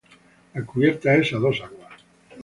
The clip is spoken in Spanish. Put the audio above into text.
La cubierta es a dos aguas.